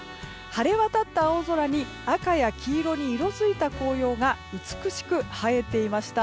晴れ渡った青空に赤や黄色に色づいた紅葉が美しく映えていました。